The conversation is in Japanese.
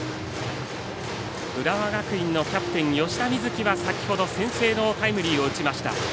浦和学院のキャプテン吉田瑞樹は先ほど先制のタイムリーを打ちました。